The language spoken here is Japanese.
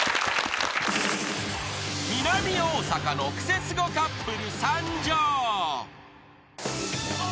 ［南大阪のクセスゴカップル参上］